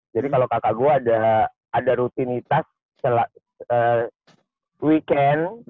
jadi kalau kakak gue ada rutinitas selama weekend